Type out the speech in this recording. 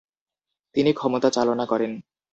তিনি ক্ষমতা চালনা করেন।